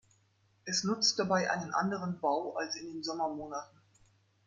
Es nutzt dabei einen anderen Bau als in den Sommermonaten.